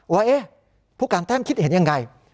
ว่าผู้การแต้มคิดเห็นยังไง